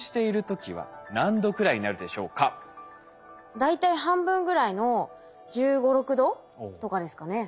大体半分ぐらいの１５１６℃とかですかね。